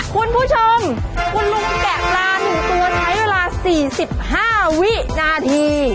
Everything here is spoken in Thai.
คุณผู้ชมคุณลุงแกะปลาหนึ่งตัวใช้เวลาสี่สิบห้าวินาที